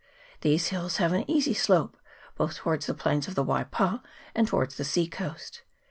These hills have an easy slope, both towards the plains of the Waipa and towards the sea coast.